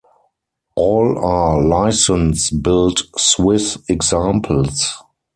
All are licence-built Swiss examples.